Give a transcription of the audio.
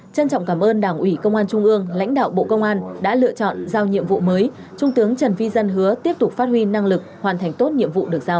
trân trọng cảm ơn đảng ủy công an trung ương lãnh đạo bộ công an đã lựa chọn giao nhiệm vụ mới trung tướng trần vi dân hứa tiếp tục phát huy năng lực hoàn thành tốt nhiệm vụ được giao